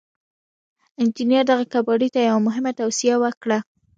انجنير دغه کباړي ته يوه مهمه توصيه وکړه.